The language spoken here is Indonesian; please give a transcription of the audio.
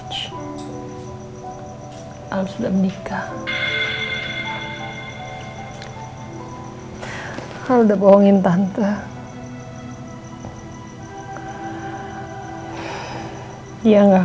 tante lo pengennya